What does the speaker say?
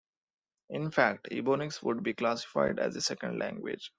In fact, ebonics would be classified as a "second language".